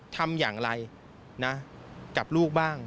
ทำอย่างไรนะกับลูกบ้าง